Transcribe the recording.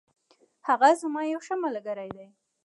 هغه زما یو ښه ملگری دی.